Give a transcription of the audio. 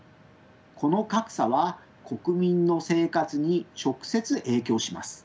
この格差は国民の生活に直接影響します。